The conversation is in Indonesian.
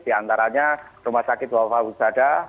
diantaranya rumah sakit bapak usada